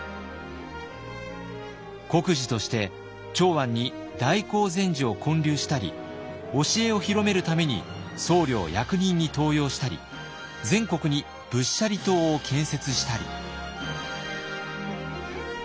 国寺として長安に大興善寺を建立したり教えを広めるために僧侶を役人に登用したり全国に仏舎利塔を建設したり。